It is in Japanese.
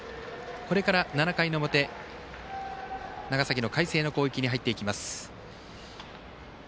これから７回の表長崎の海星の攻撃に入っていきます。